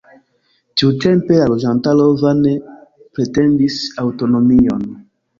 Tiutempe la loĝantaro vane pretendis aŭtonomion.